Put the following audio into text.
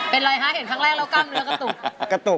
เป็นอะไรฮะเห็นครั้งแรกแล้วกล้ามเนื้อกระตุก